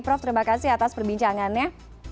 prof terima kasih atas perbincangannya